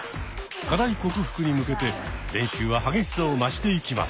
課題克服に向けて練習は激しさを増していきます。